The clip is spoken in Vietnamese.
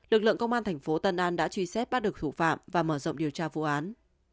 lực lượng công an thành phố tân an đã truy xét bắt được thủ phạm và mở rộng điều tra vụ án